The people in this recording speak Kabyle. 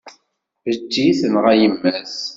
Betty tenɣa yemma-s.